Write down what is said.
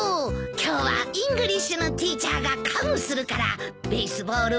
今日はイングリッシュのティーチャーがカムするからベイスボールはパス！